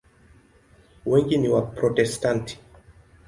Wengi ni Waprotestanti.